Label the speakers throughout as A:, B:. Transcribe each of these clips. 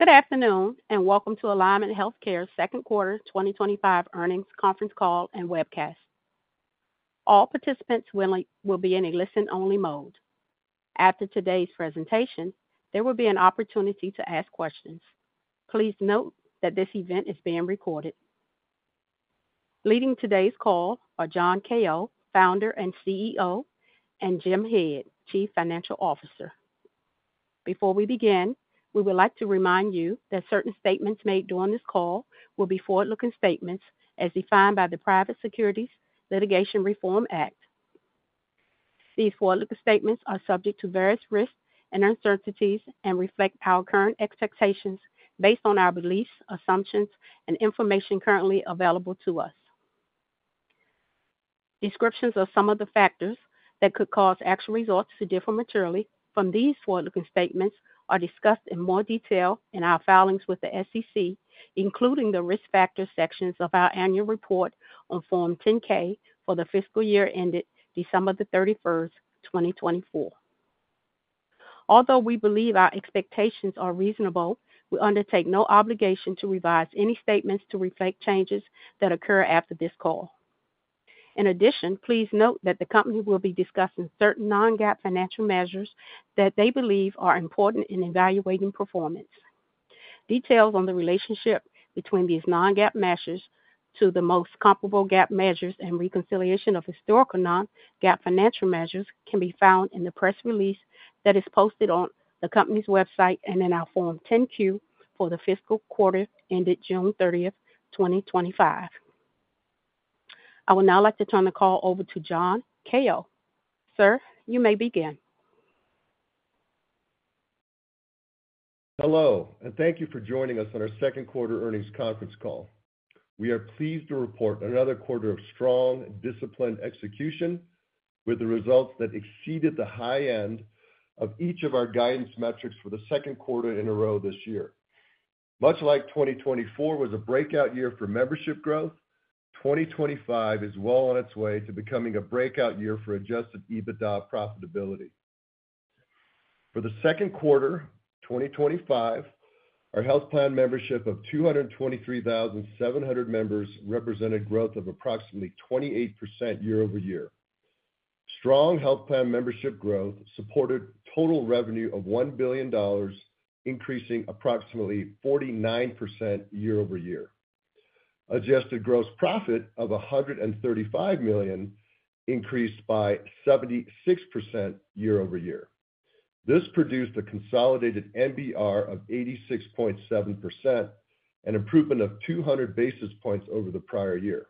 A: Good afternoon and welcome to Alignment Healthcare second quarter 2025 earnings conference call and webcast. All participants will be in a listen only mode. After today's presentation there will be an opportunity to ask questions. Please note that this event is being recorded. Leading today's call are John Kao, Founder and CEO, and Jim Head, Chief Financial Officer. Before we begin, we would like to remind you that certain statements made during this call will be forward looking statements as defined by the Private Securities Litigation Reform Act. These forward looking statements are subject to various risks and uncertainties and reflect our current expectations based on our beliefs, assumptions, and information currently available to us. Descriptions of some of the factors that could cause actual results to differ materially from these forward looking statements are discussed in more detail in our filings with the SEC, including the Risk Factors sections of our annual report on Form 10-K for the fiscal year ended December 31, 2024. Although we believe our expectations are reasonable, we undertake no obligation to revise any statements to reflect changes that occur after this call. In addition, please note that the company will be discussing certain non-GAAP financial measures that they believe are important in evaluating performance. Details on the relationship between these non-GAAP measures to the most comparable GAAP measures and reconciliation of historical non-GAAP financial measures can be found in the press release that is posted on the company's website and in our Form 10-Q for the fiscal quarter ended June 30, 2025. I would now like to turn the call over to John Kao. Sir, you may begin.
B: Hello and thank you for joining us on our second quarter earnings conference call. We are pleased to report another quarter of strong, disciplined execution with results that exceeded the high end of each of our guidance metrics for the second quarter in a row this year. Much like 2024 was a breakout year for membership growth, 2025 is well on its way to becoming a breakout year for Adjusted EBITDA profitability. For the second quarter 2025, our health plan membership of 223,700 members represented growth of approximately 28% year-over-year. Strong health plan membership growth supported total revenue of $1 billion, increasing approximately 49% year-over-year. Adjusted gross profit of $135 million increased by 76% year-over-year. This produced a consolidated MBR of 86.7%, an improvement of 200 basis points over the prior year.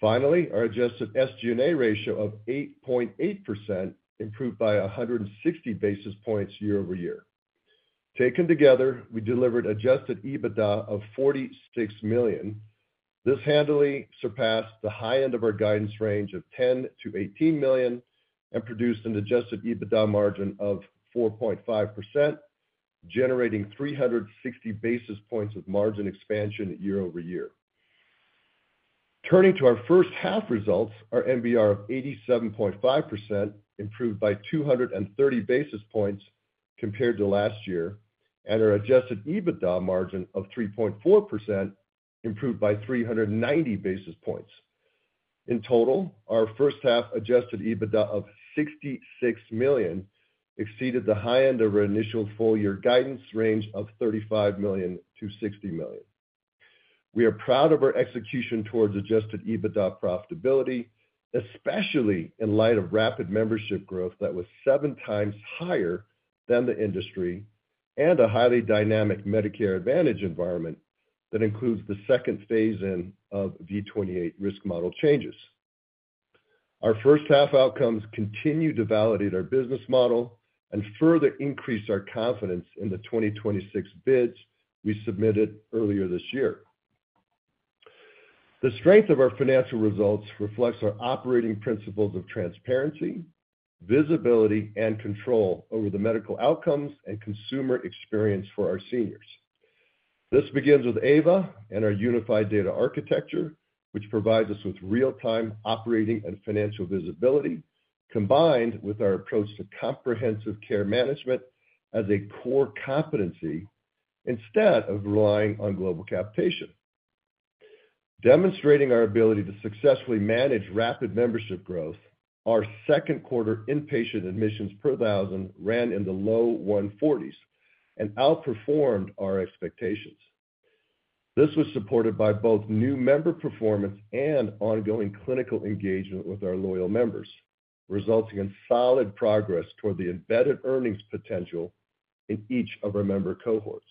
B: Finally, our Adjusted SG&A ratio of 8.8% improved by 160 basis points year-over-year. Taken together, we delivered Adjusted EBITDA of $46 million. This handily surpassed the high end of our guidance range of $10 million to $18 million and produced an Adjusted EBITDA margin of 4.5%, generating 360 basis points of margin expansion year-over-year. Turning to our first half results, our MBR of 87.5% improved by 230 basis points compared to last year and our Adjusted EBITDA margin of 3.4% improved by 390 basis points. In total, our first half Adjusted EBITDA of $66 million exceeded the high end of our initial full year guidance range of $35 million to $60 million. We are proud of our execution towards Adjusted EBITDA profitability, especially in light of rapid membership growth that was seven times higher than the industry and a highly dynamic Medicare Advantage environment that includes the second phase-in of V28 risk model changes. Our first half outcomes continue to validate our business model and further increase our confidence in the 2026 bids we submitted earlier this year. The strength of our financial results reflects our operating principles of transparency, visibility, and control over the medical outcomes and consumer experience for our seniors. This begins with AVA and our unified data architecture, which provides us with real-time operating and financial visibility combined with our approach to comprehensive care management as a core competency. Instead of relying on global capitation, demonstrating our ability to successfully manage rapid membership growth, our second quarter inpatient admissions per thousand ran in the low 140s and outperformed our expectations. This was supported by both new member performance and ongoing clinical engagement with our loyal members, resulting in solid progress toward the embedded earnings potential in each of our member cohorts.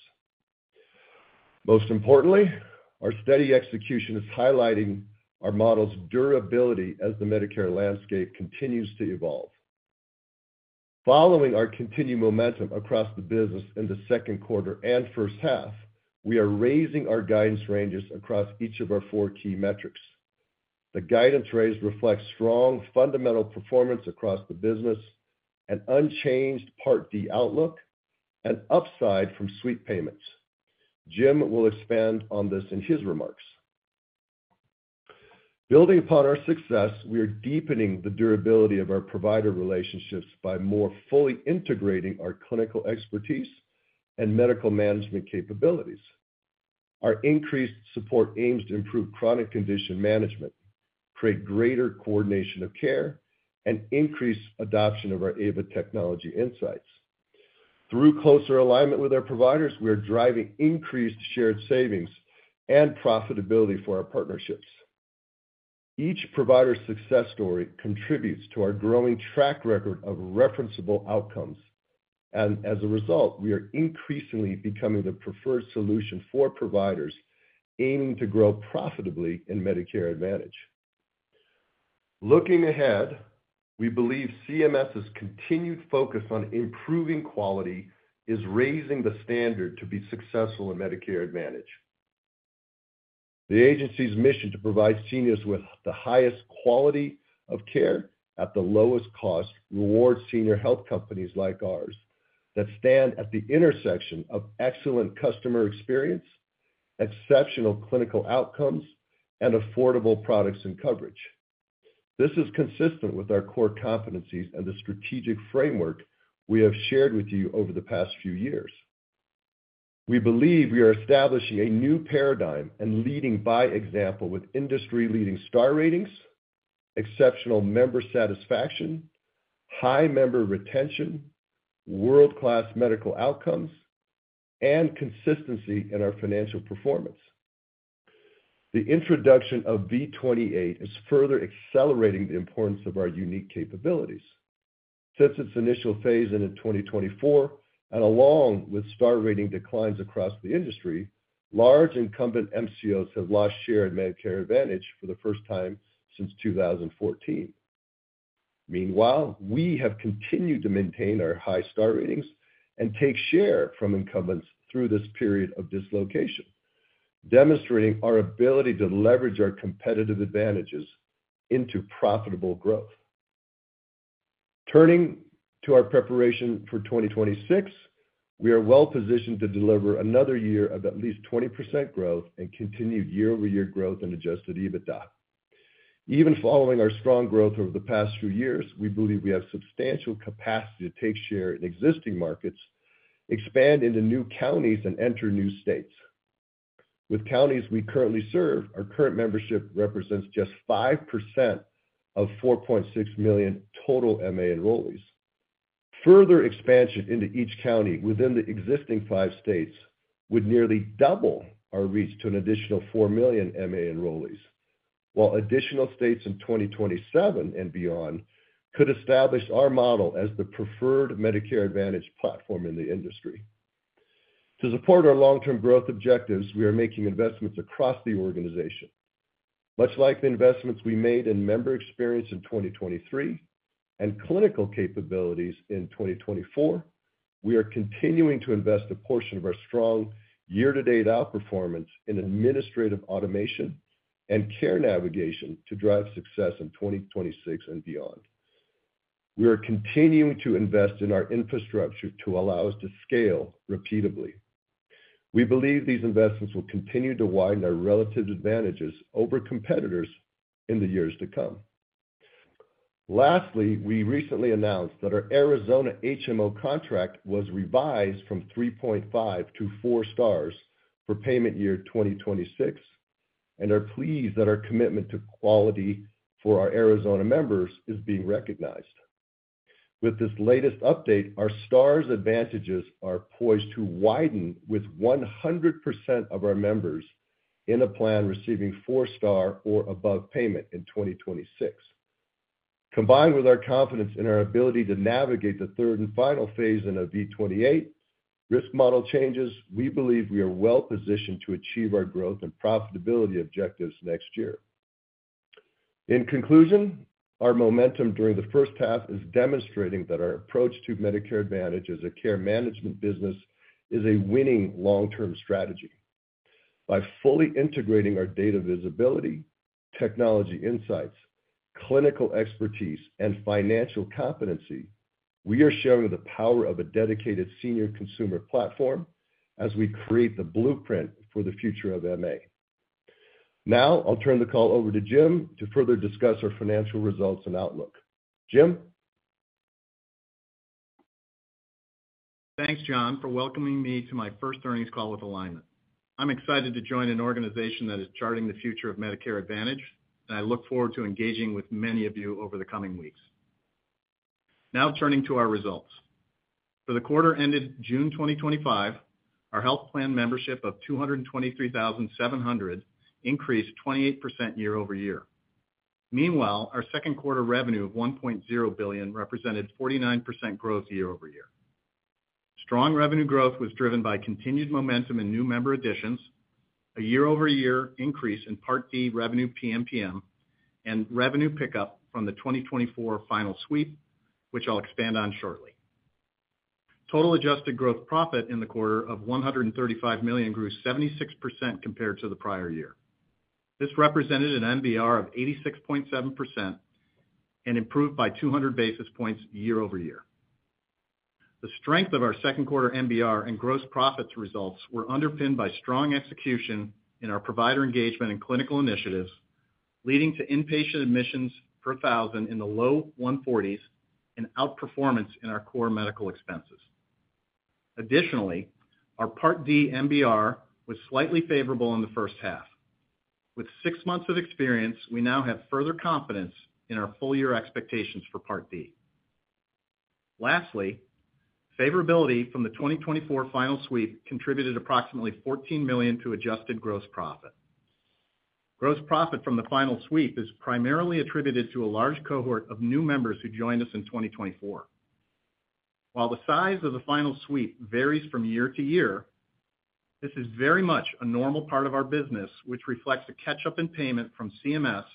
B: Most importantly, our steady execution is highlighting our model's durability as the Medicare landscape continues to evolve. Following our continued momentum across the business in the second quarter and first half, we are raising our guidance ranges across each of our four key metrics. The guidance raise reflects strong fundamental performance across the business, an unchanged Part D outlook, and upside from Sweep payments. Jim will expand on this in his remarks. Building upon our success, we are deepening the durability of our provider relationships by more fully integrating our clinical expertise and medical management capabilities. Our increased support aims to improve chronic condition management, create greater coordination of care, and increase adoption of our AVA technology insights. Through closer alignment with our providers, we are driving increased shared savings and profitability for our partnerships. Each provider success story contributes to our growing track record of referenceable outcomes, and as a result, we are increasingly becoming the preferred solution for providers aiming to grow profitably in Medicare Advantage. Looking ahead, we believe CMS continued focus on improving quality is raising the standard to be successful in Medicare Advantage. The agency's mission to provide seniors with the highest quality of care at the lowest cost rewards senior health companies like ours that stand at the intersection of excellent customer experience, exceptional clinical outcomes, and affordable products and coverage. This is consistent with our core competencies and the strategic framework we have shared with you over the past few years. We believe we are establishing a new paradigm and leading by example with industry-leading star ratings, exceptional member satisfaction, high member retention, world-class medical outcomes, and consistency in our financial performance. The introduction of V28 is further accelerating the importance of our unique capabilities since its initial phase in 2024, and along with star rating declines across the industry, large incumbent MCOs have lost share in Medicare Advantage for the first time since 2014. Meanwhile, we have continued to maintain our high star ratings, take share from incumbents through this period of dislocation, demonstrating our ability to leverage our competitive advantages into profitable growth. Turning to our preparation for 2026, we are well positioned to deliver another year of at least 20% growth and continued year-over-year growth in Adjusted EBITDA. Even following our strong growth over the past few years, we believe we have substantial capacity to take share in existing markets, expand into new counties, and enter new states. With counties we currently serve, our current membership represents just 5% of 4.6 million total MA enrollees. Further expansion into each county within the existing five states would nearly double our reach to an additional 4 million MA enrollees. While additional states in 2027 and beyond could establish our model as the preferred Medicare Advantage platform in the industry, to support our long term growth objectives, we are making investments across the organization much like the investments we made in member experience in 2023 and clinical capabilities in 2024. We are continuing to invest a portion of our strong year to date outperformance in administrative automation and care navigation to drive success in 2026 and beyond. We are continuing to invest in our infrastructure to allow us to scale repeatedly. We believe these investments will continue to widen our relative advantages over competitors in the years to come. Lastly, we recently announced that our Arizona HMO contract was revised from 3.5 to 4 stars for payment year 2026 and are pleased that our commitment to quality for our Arizona members is being recognized. With this latest update, our stars advantages are poised to widen, with 100% of our members in a plan receiving four star or above payment in 2026. Combined with our confidence in our ability to navigate the third and final phase in V28 risk model changes, we believe we are well positioned to achieve our growth and profitability objectives next year. In conclusion, our momentum during the first half is demonstrating that our approach to Medicare Advantage as a care management business is a winning long term strategy. By fully integrating our data visibility, technology insights, clinical expertise, and financial competency, we are sharing the power of a dedicated senior consumer platform as we create the blueprint for the future of Medicare Advantage. Now I'll turn the call over to Jim to further discuss our financial results and outlook. Jim.
C: Thanks John for welcoming me to my first earnings call with Alignment. I'm excited to join an organization that is charting the future of Medicare Advantage and I look forward to engaging with many of you over the coming weeks. Now turning to our results for the quarter ended June 2025, our health plan membership of 223,700 increased 28% year-over-year. Meanwhile, our second quarter revenue of $1.0 billion represented 49% growth year-over-year. Strong revenue growth was driven by continued momentum in new member additions, a year-over-year increase in Part D revenue PNPM, and revenue pickup from the 2024 final sweep, which I'll expand on shortly. Total Adjusted gross profit in the quarter of $135 million grew 76% compared to the prior year. This represented an MBR of 86.7% and improved by 200 basis points year-over-year. The strength of our second quarter MBR and gross profit results were underpinned by strong execution in our provider engagement and clinical initiatives, leading to inpatient admissions per thousand in the low 140s and outperformance in our core medical expenses. Additionally, our Part D MBR was slightly favorable in the first half. With six months of experience, we now have further confidence in our full year expectations for Part D. Lastly, favorability from the 2024 final sweep contributed approximately $14 million to Adjusted gross profit. Gross profit from the final sweep is primarily attributed to a large cohort of new members who joined us in 2024. While the size of the final sweep varies from year to year, this is very much a normal part of our business, which reflects a catch up in payment from CMS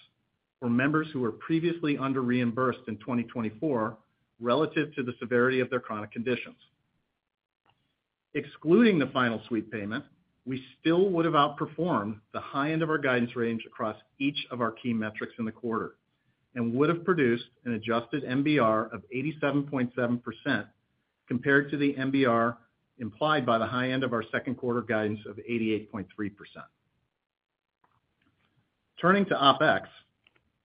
C: for members who were previously under reimbursed in 2024 relative to the severity of their chronic conditions. Excluding the final sweep payment, we still would have outperformed the high end of our guidance range across each of our key metrics in the quarter and would have produced an Adjusted MBR of 87.7% compared to the MBR implied by the high end of our second quarter guidance of 88.3%. Turning to OpEx,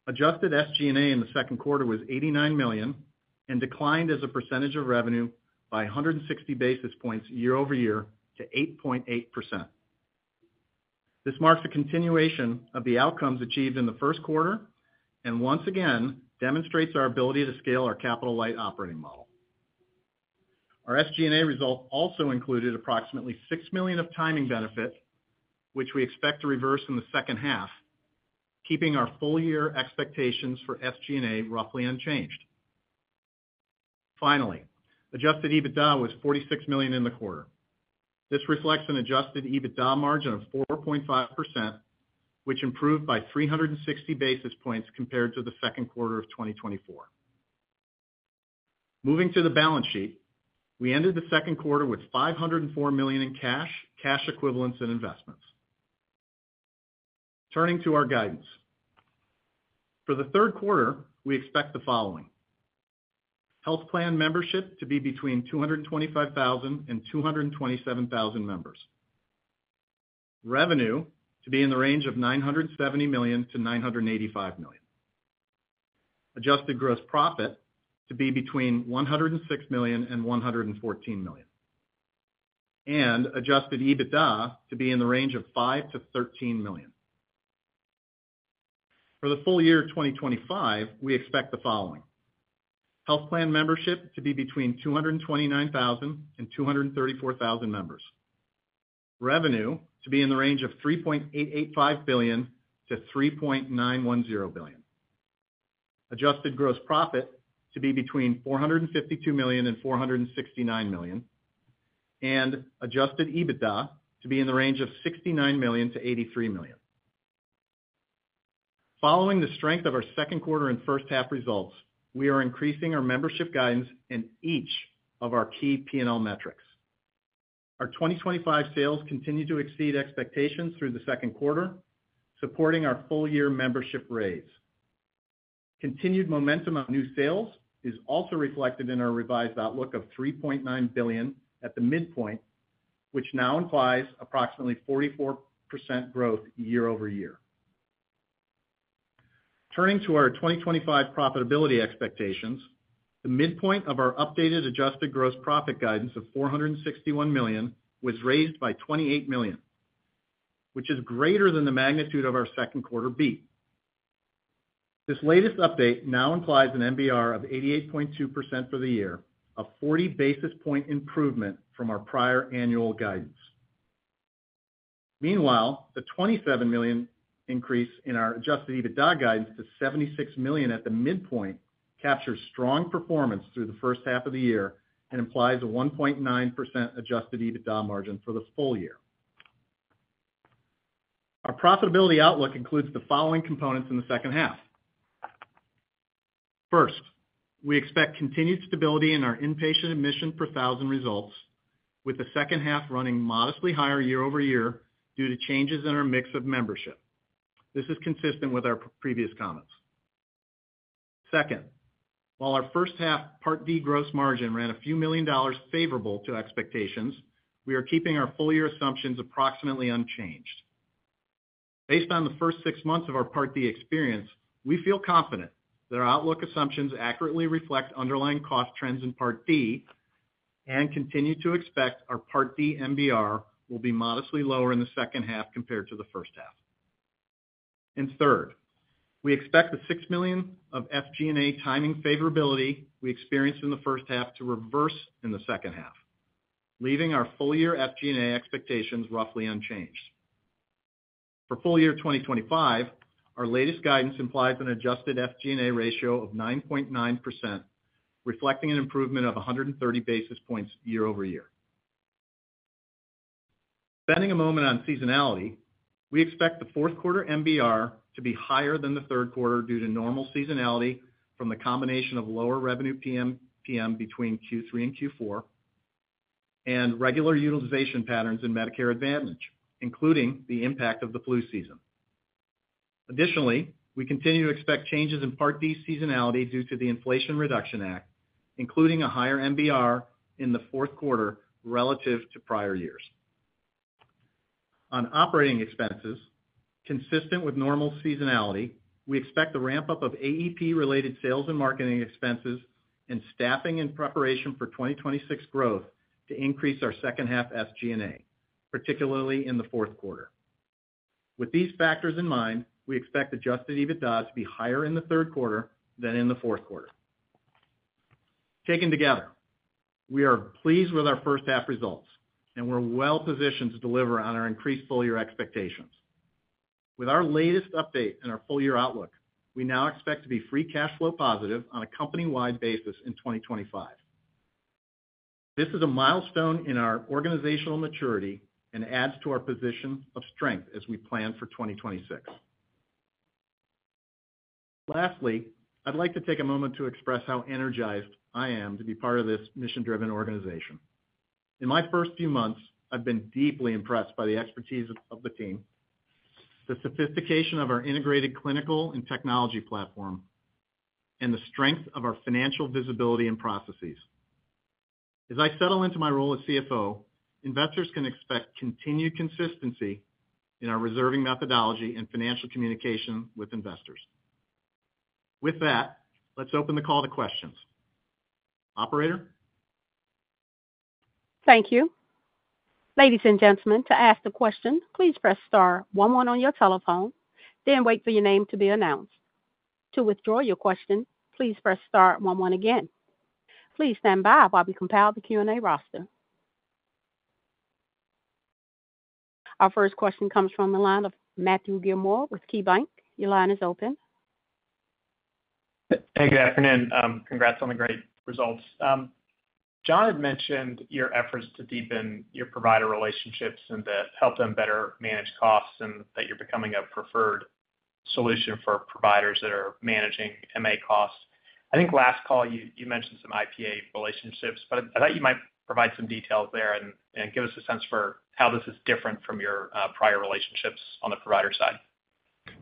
C: Adjusted SG&A in the second quarter was $89 million and declined as a percentage of revenue by 160 basis points year-over-year to 8.8%. This marks a continuation of the outcomes achieved in the first quarter and once again demonstrates our ability to scale our capital light operating model. Our SG&A result also included approximately $6 million of timing benefit, which we expect to reverse in the second half, keeping our full year expectations for SG&A roughly unchanged. Finally, Adjusted EBITDA was $46 million in the quarter. This reflects an Adjusted EBITDA margin of 4.5%, which improved by 360 basis points compared to the second quarter of 2024. Moving to the balance sheet, we ended the second quarter with $504 million in cash, cash equivalents, and investments. Turning to our guidance for the third quarter, we expect the health plan membership to be between 225,000 and 227,000 members, revenue to be in the range of $970 million to $985 million, adjusted gross profit to be between $106 million and $114 million, and Adjusted EBITDA to be in the range of $5 million to $13 million. For the full year 2025, we expect the health plan membership to be between 229,000 and 234,000 members, revenue to be in the range of $3.885 billion to $3.910 billion, adjusted gross profit to be between $452 million and $469 million, and Adjusted EBITDA to be in the range of $69 million to $83 million. Following the strength of our second quarter and first half results, we are increasing our membership guidance in each of our key P&L metrics. Our 2025 sales continue to exceed expectations through the second quarter, supporting our full year membership raise. Continued momentum on new sales is also reflected in our revised outlook of $3.9 billion at the midpoint, which now implies approximately 44% growth year-over-year. Turning to our 2025 profitability expectations, the midpoint of our updated Adjusted gross profit guidance of $461 million was raised by $28 million, which is greater than the magnitude of our second quarter beat. This latest update now implies an MBR of 88.2% for the year, a 40 basis point improvement from our prior annual guidance. Meanwhile, the $27 million increase in our Adjusted EBITDA guidance to $76 million at the midpoint captures strong performance through the first half of the year and implies a 1.9% Adjusted EBITDA margin for the full year. Our profitability outlook includes the following components in the second half. First, we expect continued stability in our inpatient admission per thousand results, with the second half running modestly higher year-over-year due to changes in our mix of membership. This is consistent with our previous comments. Second, while our first half Part D gross margin ran a few million dollars favorable to expectations, we are keeping our full year assumptions approximately unchanged based on the first six months of our Part D experience. We feel confident that our outlook assumptions accurately reflect underlying cost trends in Part D and continue to expect our Part D MBR will be modestly lower in the second half compared to the first half. Third, we expect the $6 million of SG&A timing favorability we experienced in the first half to reverse in the second half, leaving our full year SG&A expectations roughly unchanged for full year 2025. Our latest guidance implies an Adjusted SG&A ratio of 9.9% reflecting an improvement of 130 basis points year-over-year. Spending a moment on seasonality, we expect the fourth quarter MBR to be higher than the third quarter due to normal seasonality from the combination of lower revenue PM between Q3 and Q4 and regular utilization patterns in Medicare Advantage including the impact of the flu season. Additionally, we continue to expect changes in Part D seasonality due to the Inflation Reduction Act, including a higher MBR in the fourth quarter relative to prior years on operating expenses consistent with normal seasonality. We expect the ramp up of AEP related sales and marketing expenses and staffing and preparation for 2026 growth to increase our second half SG&A, particularly in the fourth quarter. With these factors in mind, we expect Adjusted EBITDA to be higher in the third quarter than in the fourth quarter. Taken together, we are pleased with our first half results and we're well positioned to deliver on our increased full year expectations. With our latest update and our full year outlook, we now expect to be free cash flow positive on a company wide basis in 2025. This is a milestone in our organizational maturity and adds to our position of strength as we plan for 2026. Lastly, I'd like to take a moment to express how energized I am to be part of this mission driven organization. In my first few months, I've been deeply impressed by the expertise of the team, the sophistication of our integrated clinical and technology platform, and the strength of our financial visibility and processes. As I settle into my role as CFO, investors can expect continued consistency in our reserving methodology and financial communication with investors. With that, let's open the call to questions. Operator.
A: Thank you, ladies and gentlemen. To ask the question, please press star one one on your telephone, then wait for your name to be announced. To withdraw your question, please press star one one again. Please stand by while we compile the Q&A roster. Our first question comes from the line of Michael Gilmore with KeyBanc. Your line is open.
D: Hey, good afternoon. Congrats on the great results. John had mentioned your efforts to deepen your provider relationships and to help them better manage costs and that you're becoming a preferred solution for providers that are managing MA costs. Last call, you mentioned some IPA relationships, but I thought you might provide some details there and give us a sense for how this is different from your prior relationships on the provider side.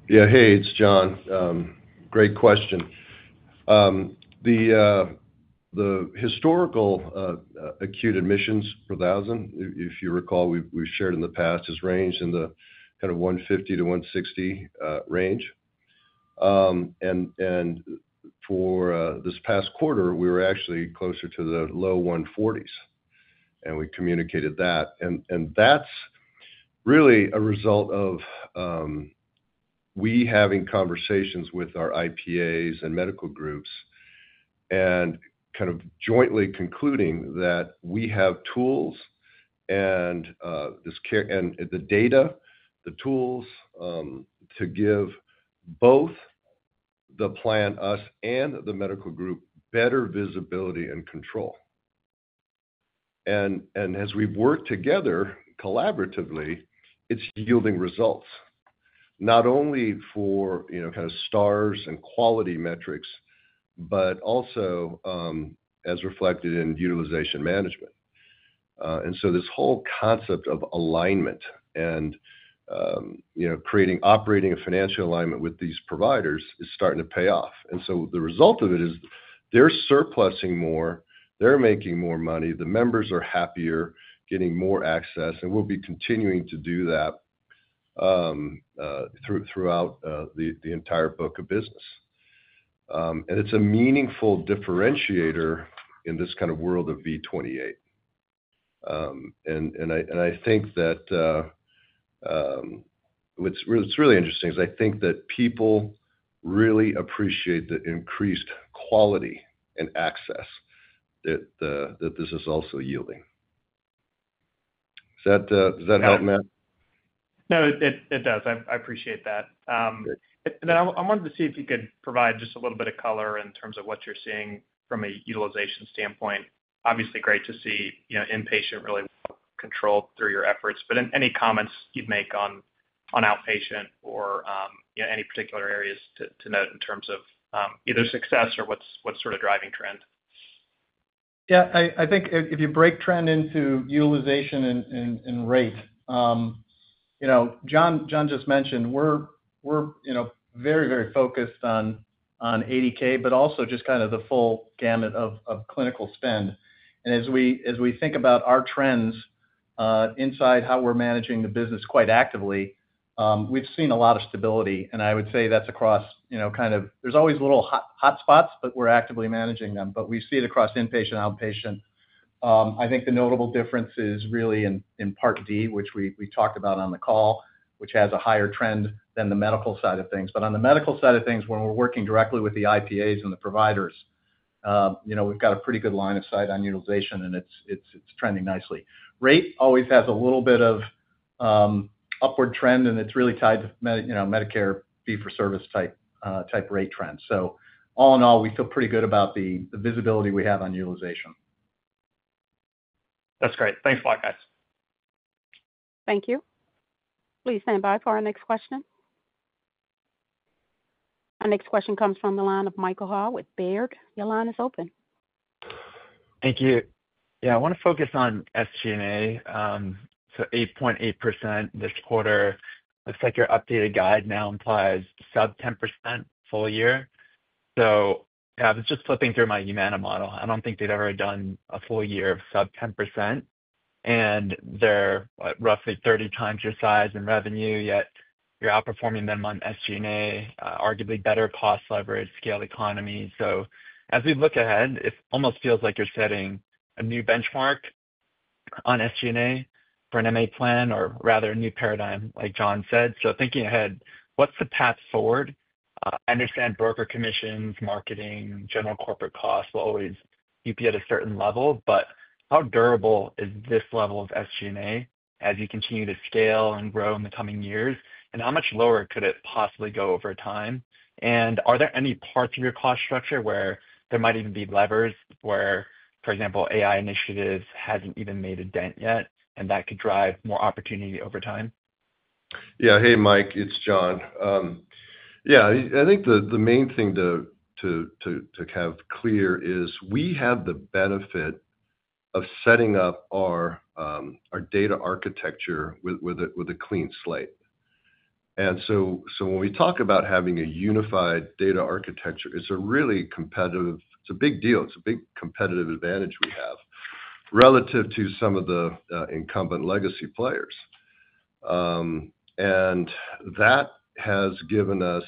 B: Yeah, hey, it's John. Great question. The historical acute admissions per thousand, if you recall, we've shared in the past, has ranged in the kind of 150 to 160 range. For this past quarter, we were actually closer to the low 140s. We communicated that. That's really a result of us having conversations with our IPAs and medical groups and jointly concluding that we have tools and this care and the data, the tools to give both the plan, us, and the medical group better visibility and control. As we've worked together collaboratively, it's yielding results not only for stars and quality metrics, but also as reflected in utilization management. This whole concept of alignment and creating and operating a financial alignment with these providers is starting to pay off. The result of it is they're sur+ing more, they're making more money, the members are happier, getting more access, and we'll be continuing to do that throughout the entire book of business. It's a meaningful differentiator in this kind of world of V28. I think that what's really interesting is I think that people really appreciate the increased quality and access that this is also yielding. Does that help, Michael?
D: No, it does. I appreciate that. I wanted to see if you could provide just a little bit of color in terms of what you're seeing from a utilization standpoint. Obviously, great to see inpatient really controlled through your efforts, but any comments you'd make on outpatient or any particular areas to note in terms of either success or what's sort of driving trend.
C: I think if you break trend into utilization and rate, you know, John just mentioned we're very, very focused on 80k, but also just kind of the full gamut of clinical spend. As we think about our trends inside how we're managing the business quite actively, we've seen a lot of stability and I would say that's across, you know, kind of. There's always little hot spots, but we're actively managing them. We see it across inpatient, outpatient. I think the notable difference is really in part D, which we talked about on the call, which has a higher trend than the medical side of things. On the medical side of things, when we're working directly with the IPAs and the providers, we've got a pretty good line of sight on utilization and it's trending nicely. Rate always has a little bit of upward trend and it's really tied to Medicare fee for service type rate trend. All in all, we feel pretty good about the visibility we have on utilization.
D: That's great. Thanks a lot, guys.
A: Thank you. Please stand by for our next question. Our next question comes from the line of Michael Hall with Baird. Your line is open.
E: Thank you. Yeah, I want to focus on SG&A. So 8.8% this quarter looks like your updated guide now implies sub 10% full year. I was just flipping through my Humana model. I don't think they've ever done a full year of sub 10%, and they're roughly 30 times your size in revenue, yet you're outperforming them on SG&A, arguably better cost leverage, scaled economies. As we look ahead, it almost feels like you're setting a new benchmark on SG&A for a Medicare Advantage plan, or rather a new paradigm, like John said. Thinking ahead, what's the path forward? I understand broker commissions, marketing, general corporate costs will always keep you at a certain level, but how durable is this level of SG&A as you continue to scale and grow in the coming years? How much lower could it possibly go over time? And. Are there any parts of your cost structure where there might even be levers where, for example, AI initiatives haven't even made a dent yet and that could drive more opportunity over time?
B: Yeah, hey Mike, it's John. I think the main thing to have clear is we have the benefit of setting up our data architecture with a clean slate. When we talk about having a unified data architecture, it's a really competitive, it's a big deal. It's a big competitive advantage we have relative to some of the incumbent legacy players. That has given us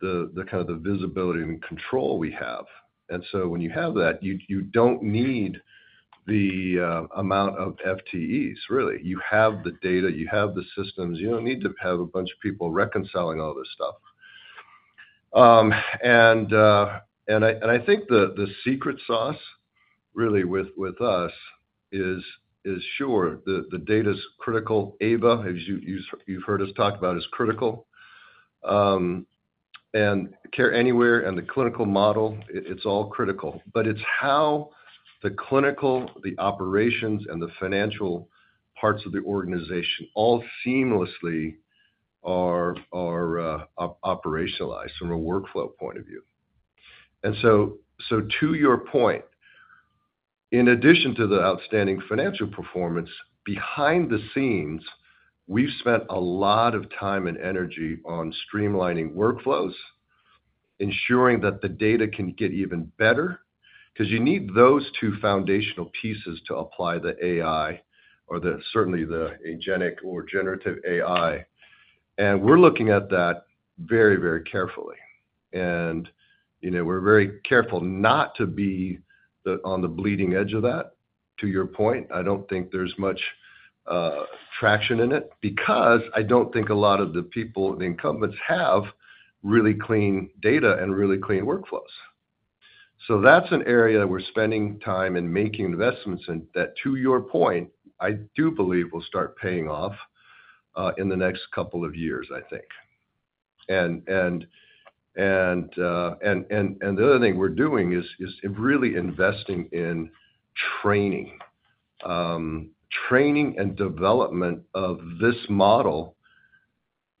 B: the kind of visibility and control we have. When you have that, you don't need the amount of FTEs, really. You have the data, you have the systems, you don't need to have a bunch of people reconciling all this stuff. I think the secret sauce really with us is sure the data is critical. AVA, as you've heard us talk about, is critical and care anywhere. The clinical model, it's all critical, but it's how the clinical, the operations, and the financial parts of the organization all seamlessly are operationalized from a workflow point of view to your point. In addition to the outstanding financial performance behind the scenes, we've spent a lot of time and energy on streamlining workflows, ensuring that the data can get even better because you need those two foundational pieces to apply the AI or certainly the agency or generative AI. We're looking at that very, very carefully and we're very careful not to be on the bleeding edge of that. To your point, I don't think there's much traction in it because I don't think a lot of the people, the incumbents, have really clean data and really clean workflows. That's an area we're spending time and making investments in. That to your point, I do believe will start paying off in the next couple of years, I think. The other thing we're doing is really investing in training, training and development of this model,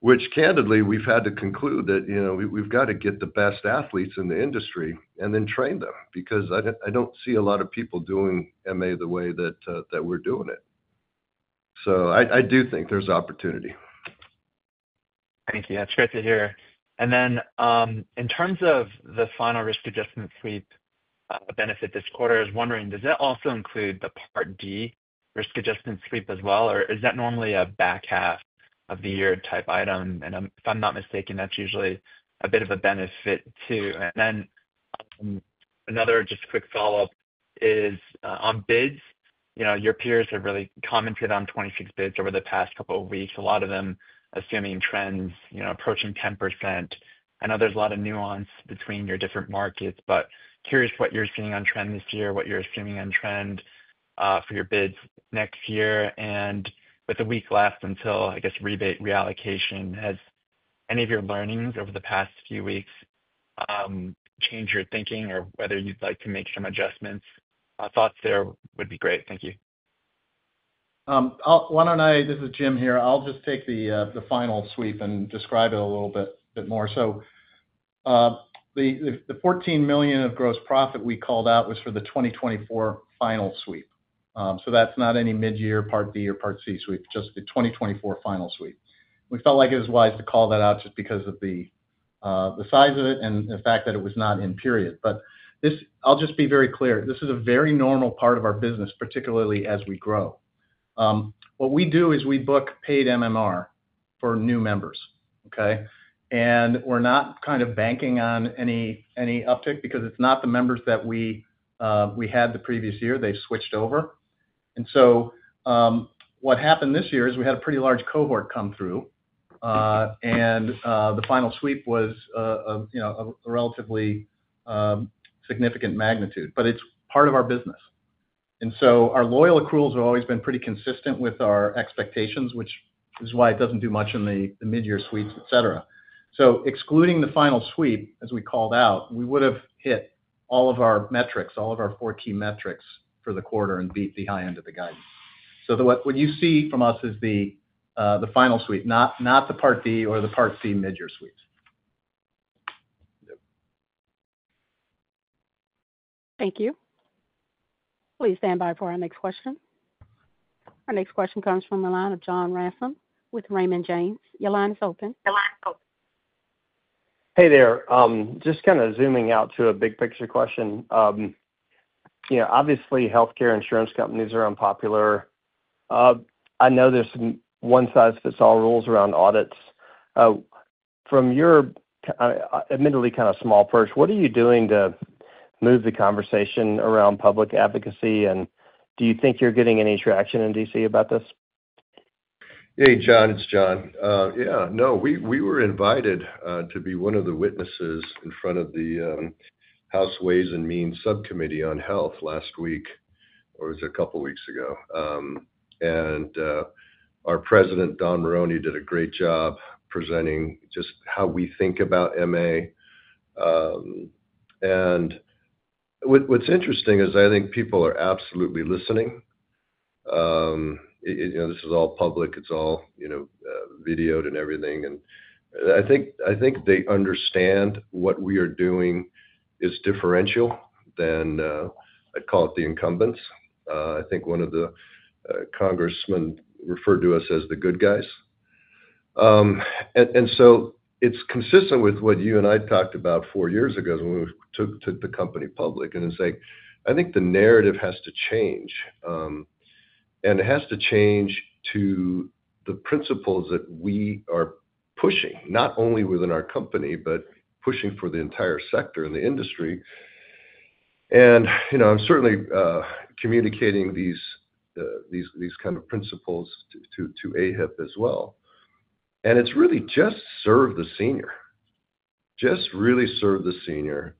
B: which candidly we've had to conclude that we've got to get the best athletes in the industry and then train them because I don't see a lot of people doing Medicare Advantage the way that we're doing it. I do think there's opportunity.
E: Thank you, that's great to hear. In terms of the final risk adjustment sweep benefit this quarter, I was wondering, does that also include the Part D risk adjustment sweep as well? Is that normally a back half of the year type item? If I'm not mistaken, that's usually a bit of a benefit too. Another quick follow up is on bids. Your peers have really commented on 2026 bids over the past couple of weeks, a lot of them assuming trends approaching 10%. I know there's a lot of nuance between your different markets, but curious what you're seeing on trend this year, what you're assuming on trend for your bids next year. With a week left until, I guess, rebate reallocation, has any of your learnings over the past few weeks changed your thinking or whether you'd like to make some adjustments? Thoughts there would be great. Thank you.
C: Why don't I. This is Jim here. I'll just take the final sweep and describe it a little bit more. The $14 million of gross profit we called out was for the 2024 final sweep. That's not any mid-year Part D or Part C sweep, just the 2024 final sweep. We felt like it was wise to call that out just because of the size of it and the fact that it was not in, period. I'll just be very clear, this is a very normal part of our business, particularly as we grow. What we do is we book paid MMR for new members. We're not kind of banking on any uptick because it's not. The members that we had the previous year, they switched over. What happened this year is we had a pretty large cohort come through and the final sweep was a relatively significant magnitude. It's part of our business. Our loyal accruals have always been pretty consistent with our expectations, which is why it doesn't do much in the mid-year sweeps, etc. Excluding the final sweep as we called out, we would have hit all of our metrics, all of our four key metrics for the quarter, and beat the high end of the guidance. What you see from us is the final sweep, not the Part D or the Part C mid-year sweep.
A: Thank you. Please stand by for our next question. Our next question comes from the line of John Ransom with Raymond James. Your line is open.
F: Hey there. Just kind of zooming out to a big picture question. Obviously, healthcare insurance companies are unpopular. I know there's some one size fits all rules around audits from your admittedly kind of small purse. What are you doing to move the conversation around public advocacy? Do you think you're getting any traction in D.C. about this?
B: Hey, John. It's John. We were invited to be one of the witnesses in front of the House Ways and Means Subcommittee on Health last week, or was it a couple weeks ago? Our President, Don Maroney, did a great job presenting just how we think about Medicare Advantage. What's interesting is I think people are absolutely listening. This is all public, it's all videoed and everything. I think they understand what we are doing is different than, I'd call it, the incumbents. I think one of the congressmen referred to us as the good guys. It's consistent with what you and I talked about four years ago when we took the company public. I think the narrative has to change. It has to change to the principles that we are pushing not only within our company, but pushing for the entire sector and the industry. I'm certainly communicating these kind of principles to AHIP as well. It's really just serve the senior, just really serve the senior.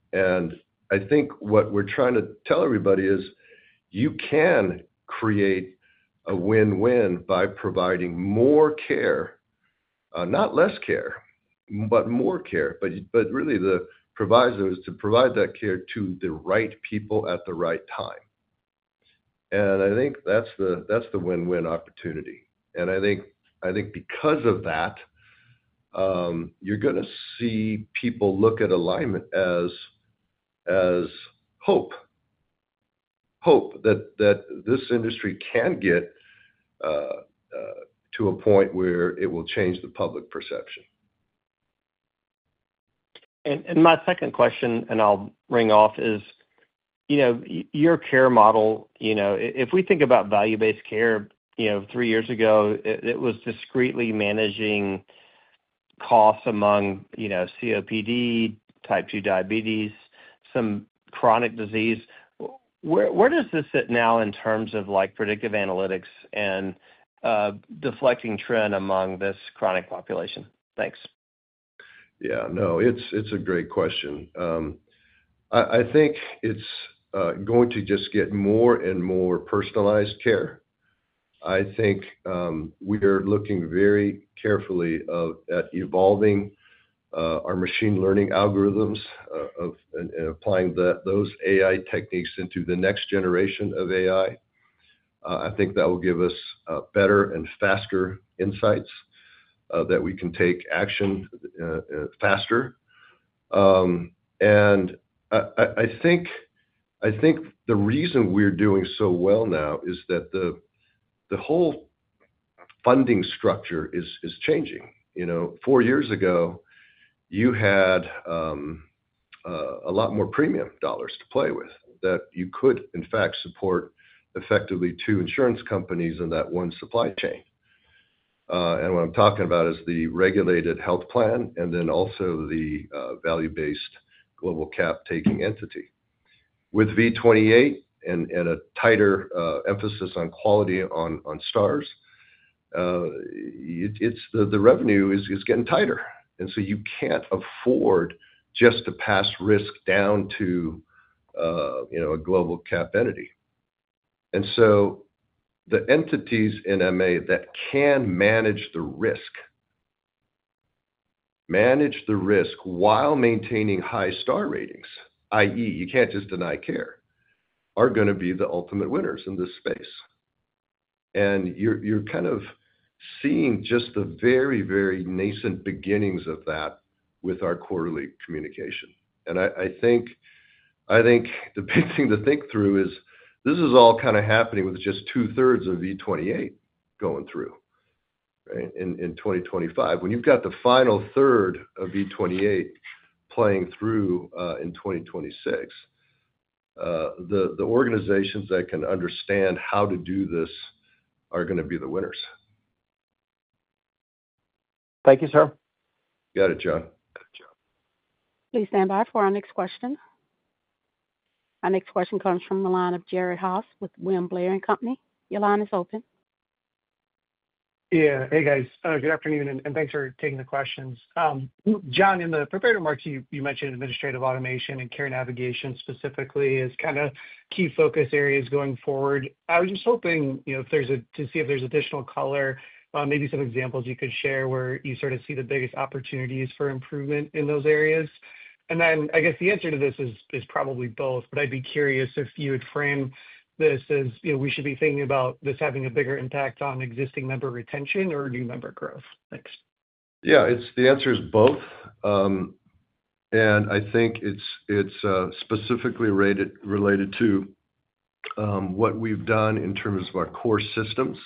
B: I think what we're trying to tell everybody is you can create a win-win by providing more care, not less care, but more care. The proviso is to provide that care to the right people at the right time. I think that's the win-win opportunity. I think because of that, you're going to see people look at Alignment Healthcare as hope, hope that this industry can get to a point where it will change the public perception.
F: My second question, I'll ring off, is your care model. If we think about value based care, three years ago it was discreetly managing costs among COPD, Type 2 diabetes, some chronic disease. Where does this sit now in terms? Of predictive analytics and deflecting trend among this chronic population? Thanks.
B: Yeah, no, it's a great question. I think it's going to just get more and more personalized care. I think we are looking very carefully at evolving our machine learning algorithms and applying those AI techniques into the next generation of AI. I think that will give us better and faster insights that we can take action faster. I think the reason we're doing so well now is that the whole funding structure is changing. Four years ago you had a lot more premium dollars to play with that you could in fact support effectively two insurance companies in that one supply chain. What I'm talking about is the regulated health plan and then also the value based global cap taking entity. With V28 and a tighter emphasis on quality on stars, the revenue is getting tighter. You can't afford just to pass risk down to a global cap entity. The entities in Medicare Advantage that can manage the risk, manage the risk while maintaining high star ratings, that is you can't just deny care, are going to be the ultimate winners in this space. You're kind of seeing just the very, very nascent beginnings of that with our quarterly communication. The big thing to think through is this is all kind of happening with just 2/3 of V28 going through in 2025. When you've got the final third of V28 playing through in 2026, the organizations that can understand how to do this are going to be the winners.
C: Thank you, sir.
B: Got it, John.
A: Please stand by for our next question. Our next question comes from the line of Jared Haase with William Blair and Company. Your line is open.
G: Yeah. Hey guys. Good afternoon and thanks for taking the questions. John, in the prepared remarks you mentioned administrative automation and care navigation specifically as key focus areas going forward. I was just hoping, you know, if there's additional color, maybe some examples you could share where you see the biggest opportunities for improvement in those areas. I guess the answer to this is probably both, but I'd be curious if you would frame this as we should be thinking about this having a bigger impact on existing member retention or new member growth. Thanks.
B: Yeah, the answer is both and I think it's specifically related to what we've done in terms of our core systems.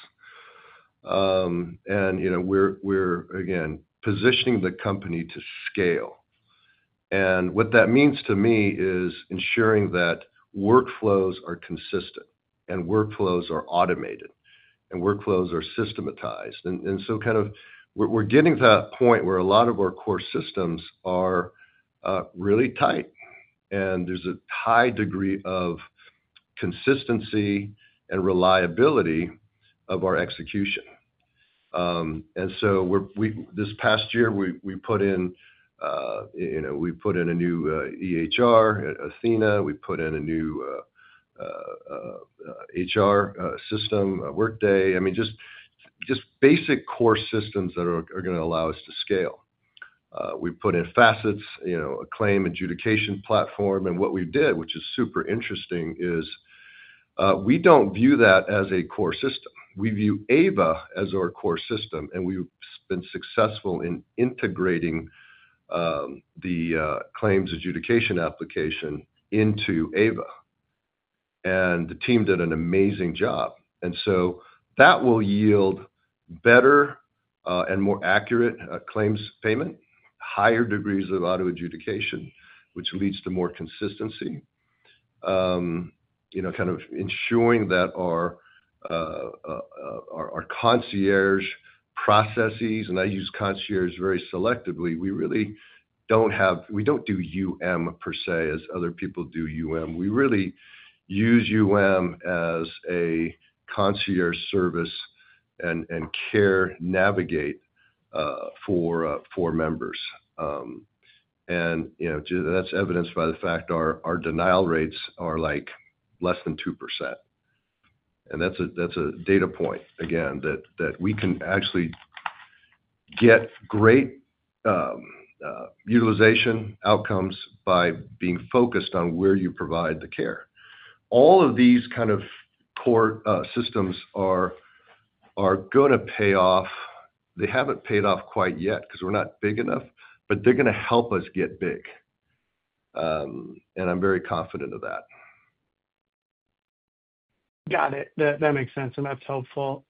B: I think we're again positioning the company to scale. What that means to me is ensuring that workflows are consistent, workflows are automated, and workflows are systematized. We're getting to that point where a lot of our core systems are really tight and there's a high degree of consistency and reliability of our execution. This past year we put in a new EHR, Athena, we put in a new HR system, Workday. I mean, just basic core systems that are going to allow us to scale. We put in Facets, a claim adjudication platform. What we did, which is super interesting, is we don't view that as a core system. We view AVA as our core system. We've been successful in integrating the claims adjudication application into AVA and the team did an amazing job. That will yield better and more accurate claims payment, higher degrees of auto adjudication, which leads to more consistency, ensuring that our concierge processes—and I use concierge very selectively. We really don't do concierge per se as other people do. We really use concierge as a service and care navigate for members. That's evidenced by the fact our denial rates are like less than 2%. That's a data point again that we can actually get great utilization outcomes by being focused on where you provide the care. All of these core systems are going to pay off. They haven't paid off quite yet because we're not big enough, but they're going to help us get big. I'm very confident of that.
G: Got it, that makes sense and that's helpful.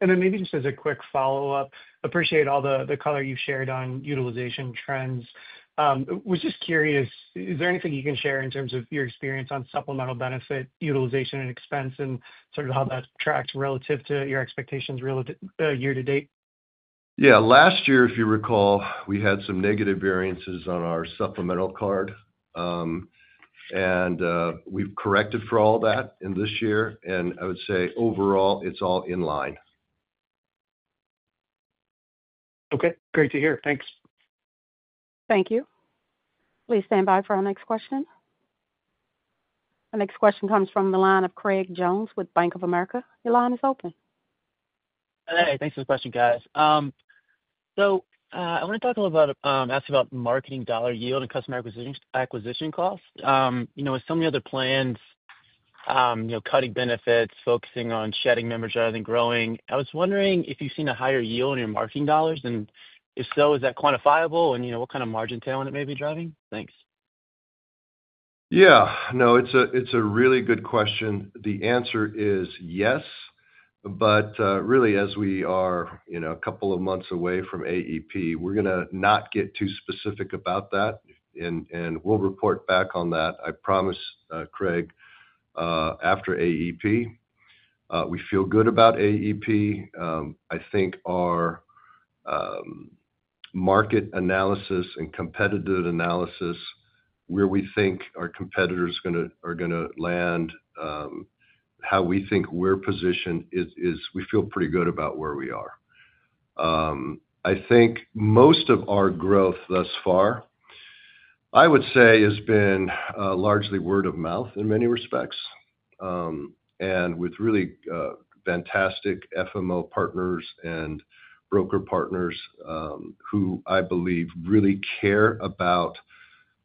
G: Maybe just as a quick follow-up, appreciate all the color you shared on utilization trends. Was just curious, is there anything you can share in terms of your experience on supplemental benefit utilization and expense, and sort of how that tracks relative to your expectations year to date?
B: Last year, if you recall, we had some negative variances on our supplemental card, and we've corrected for all that this year. I would say overall, it's all in line.
G: Okay, great to hear. Thanks.
A: Thank you. Please stand by for our next question. Our next question comes from the line of Craig Jones with Bank of America. Your line is open.
H: Hey, thanks for the question, guys. I want to talk a little. Ask about marketing dollar yield and customer acquisition costs. Some of the other plans are cutting benefits, focusing on shedding members and growing. I was wondering if you've seen a higher yield in your marketing dollars and if so, is that quantifiable, and what kind of margin tailwind it may be driving? Thanks.
B: Yeah, no, it's a really good question. The answer is yes. Really, as we are a couple of months away from AEP, we're going to not get too specific about that and we'll report back on that, I promise. Craig, after AEP, we feel good about AEP. I think our market analysis and competitive analysis, where we think our competitors are going to land, how we think we're positioned. We feel pretty good about where we are. I think most of our growth thus far, I would say, has been largely word of mouth in many respects and with really fantastic FMO partners and broker partners who I believe really care about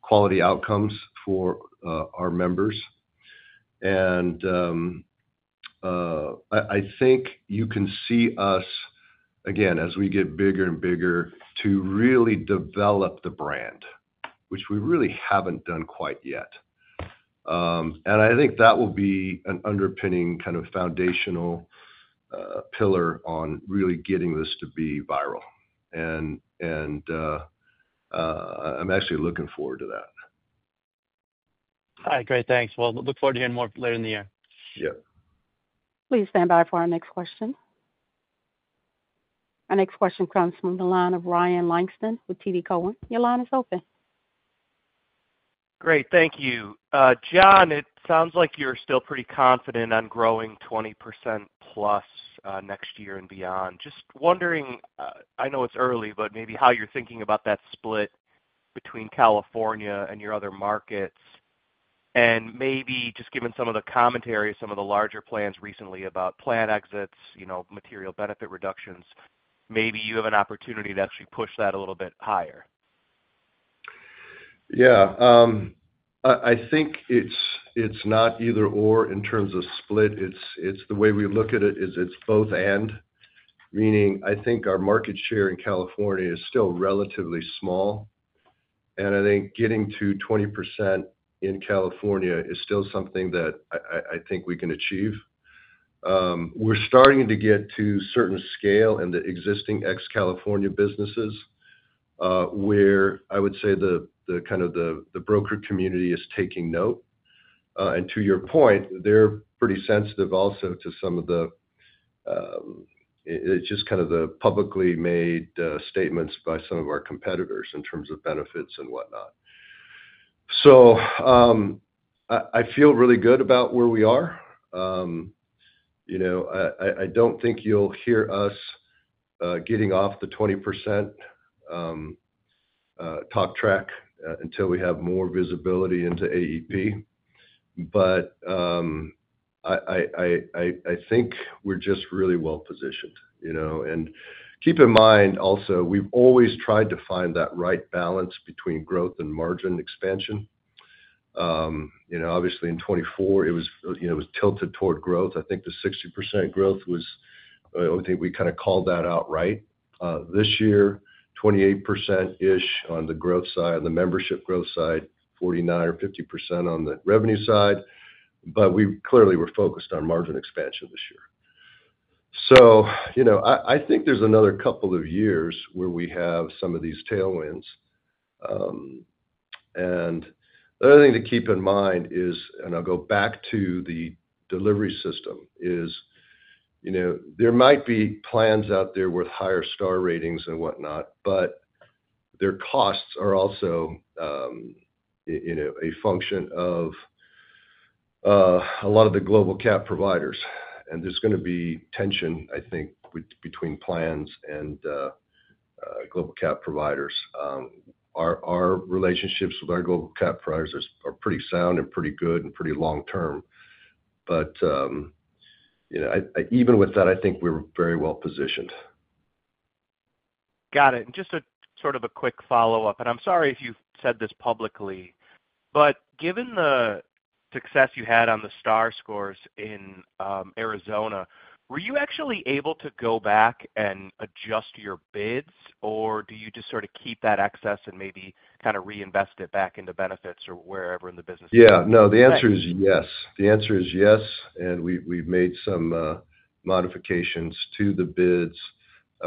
B: quality outcomes for our members. I think you can see us again as we get bigger and bigger to really develop the brand, which we really haven't done quite yet. I think that will be an underpinning kind of foundational pillar on really getting this to be viral. I'm actually looking forward to that.
H: All right, great, thanks. I look forward to hearing more later in the year.
A: Please stand by for our next question. Our next question comes from the line of Ryan Langston with TD Cowen. Your line is open.
I: Great, thank you. John, it sounds like you're still pretty confident on growing 20%+ next year and beyond. Just wondering, I know it's early, but maybe how you're thinking about that split between California and your other markets and maybe just given some of the commentary, some of the larger plans recently about plan exits, material benefit reductions, maybe you have an opportunity to actually push that a little bit higher.
B: Yeah, I think it's not either or in terms of split, it's the way we look at it is it's both. Meaning, I think our market share in California is still relatively small and I think getting to 20% in California is still something that I think we can achieve. We're starting to get to certain scale in the existing ex-California businesses where I would say the broker community is taking note and to your point, they're pretty sensitive also to some of the publicly made statements by some of our competitors in terms of benefits and whatnot. I feel really good about where we are. I don't think you'll hear us getting off the 20% talk track until we have more visibility into AEP. I think we're just really well positioned, and keep in mind also we've always tried to find that right balance between growth and margin expansion. Obviously in 2024 it was tilted toward growth. I think the 60% growth was, I think we kind of called that outright this year. 28% ish on the growth side, the membership growth side, 49 or 50% on the revenue side. We clearly were focused on margin expansion this year. I think there's another couple of years where we have some of these tailwinds. The other thing to keep in mind is, and I'll go back to the delivery system, there might be plans out there with higher star ratings and whatnot, but their costs are also a function of. A lot. Of the global cap providers, there's going to be tension, I think, between plans and global cap providers. Our relationships with our global cap providers are pretty sound, pretty good, and pretty long term. Even with that, I think we're very well positioned.
I: Got it. Just sort of a quick follow up. I'm sorry if you said this publicly, but given the success you had on the star scores in Arizona, were you actually able to go back and adjust your bids, or do you just sort of keep that excess and maybe kind of reinvest it back into benefits.
B: Yeah, no, the answer is yes. The answer is yes. We've made some modifications to the bids.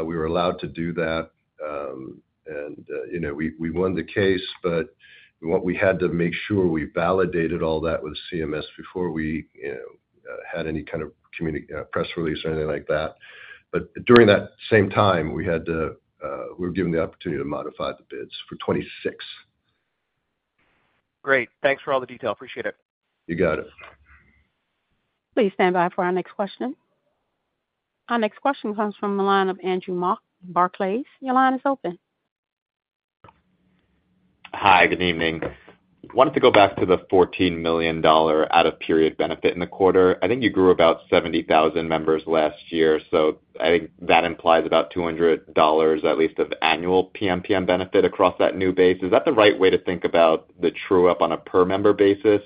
B: We were allowed to do that, and we won the case, but we had to make sure we validated all that with CMS before we had any kind of community press release or anything like that. During that same time, we were given the opportunity to modify the bids for 2026.
I: Great. Thanks for all the detail. Appreciate it.
B: You got it.
A: Please stand by for our next question. Our next question comes from the line of Andrew Mok Barclays. Your line is open.
J: Hi, good evening. Wanted to go back to the $14. million out of period benefit in the quarter. I think you grew about 70,000 members last year. I think that implies about $200. At least of annual PMPM benefit across that new base. Is that the right way to think about the true up on a per member basis?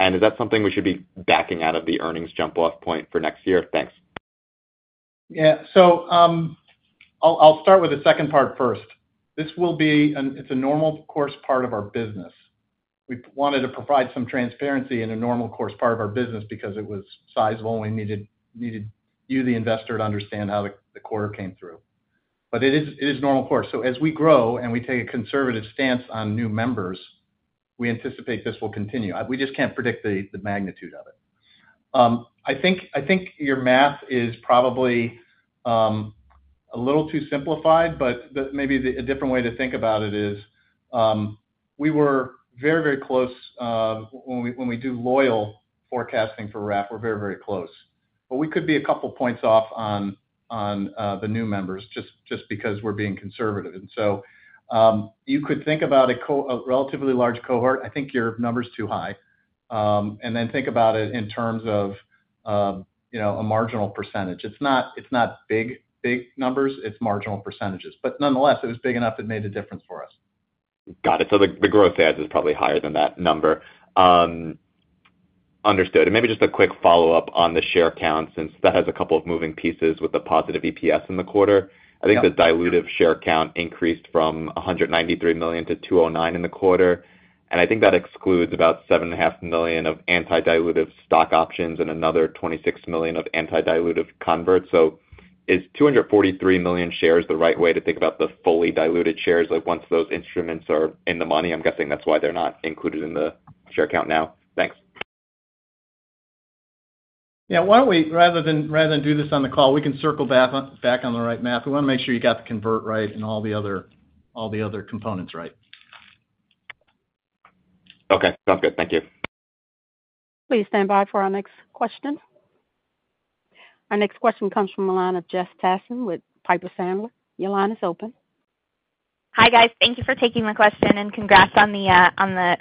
J: Is that something we should be? Backing out of the earnings jump off point for next year? Thanks.
C: I'll start with the second part first. This is a normal course part of our business. We wanted to provide some transparency in a normal course part of our business because it was sizable, and we needed you, the investor, to understand how the quarter came through. It is normal course. As we grow and we take a conservative stance on new members, we anticipate this will continue. We just can't predict the magnitude of it. I think your math is probably a little too simplified, but maybe a different way to think about it is we were very, very close when we do loyal forecasting for RAF. We're very, very close. We could be a couple points off on the new members just because we're being conservative. You could think about a relatively large cohort. I think your number's too high, and then think about it in terms of a marginal %. It's not big numbers, it's marginal %. Nonetheless, it was big enough. It made a difference for us.
J: Got it. The gross adds is probably higher than that number. Maybe just a quick follow up on. The share count since that has a couple of moving pieces with the positive EPS. In the quarter, I think the dilutive. Share count increased from $193 million to $209 million in the quarter. I think that excludes about $7.5 million of anti-dilutive stock options and another $26 million of anti-dilutive converts. Is $243 million shares the right way to think about the fully diluted shares once those instruments are in the money? I'm guessing that's why they're not included in the share count now. Thanks.
B: Yeah, why don't we, rather than do this on the call, we can circle back on the right map. We want to make sure you got the convert right and all the other components right.
J: Okay, sounds good. Thank you.
A: Please stand by for our next question. Our next question comes from the line of Jess Tassen with Piper Sandler. Your line is open.
K: Hi, guys. Thank you for taking the question, and congrats on the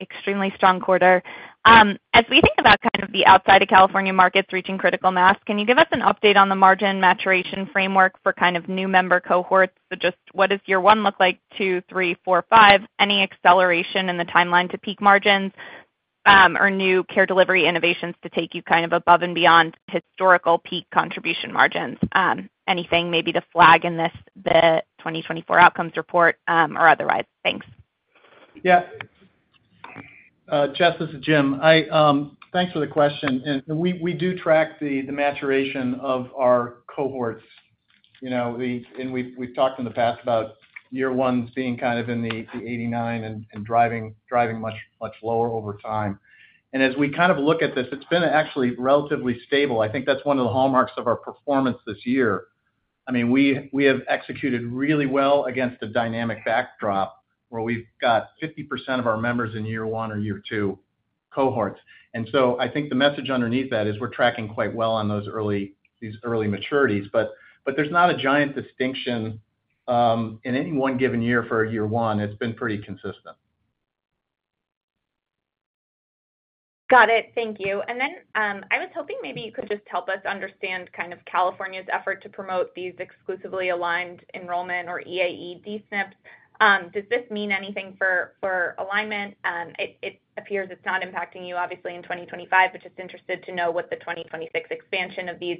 K: extremely strong quarter. As we think about kind of the outside of California markets reaching critical mass, can you give us an update on the margin maturation framework for kind of new member cohorts? Just what does year one look like? two, three, four, five? Any acceleration in the timeline to peak margins or new care delivery innovations to take you kind of above and beyond historical peak contribution margins? Anything maybe to flag in this, the 2024 outcomes report or otherwise. Thanks.
C: Yeah, Jess, this is Jim. Thanks for the question. We do track the maturation of our cohorts, you know, and we've talked in the past about year ones being kind of in the 89 and driving much lower over time. As we kind of look at this, it's been actually relatively stable. I think that's one of the hallmarks of our performance this year. I mean, we have executed really well against a dynamic backdrop where we've got 50% of our members in year one or year two cohorts. I think the message underneath that is we're tracking quite well on these early maturities, but there's not a giant distinction in any one given year. For year one, it's been pretty consistent.
K: Got it. Thank you. I was hoping maybe you could just help us understand kind of California's effort to promote these exclusively aligned enrollment or EAE D SNPs. Does this mean anything for Alignment Healthcare? It appears it's not impacting you, obviously, in 2025, but just interested to know what the 2026 expansion of these